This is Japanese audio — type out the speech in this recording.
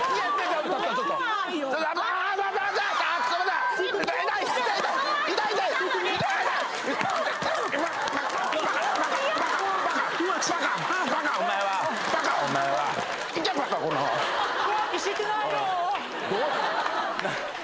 浮気してないよ！